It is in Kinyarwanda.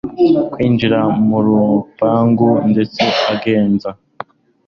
kwinjira murupangu ndetse agenza